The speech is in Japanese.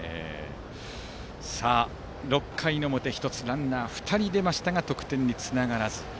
６回の表、ランナーが２人出ましたが得点につながらず。